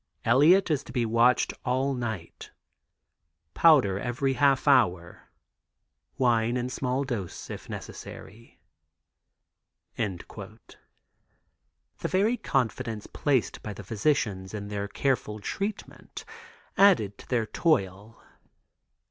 "Elliot is to be watched all night; powder every half hour; wine in small dose if necessary." The very confidence placed by the physicians in their careful treatment added to their toil.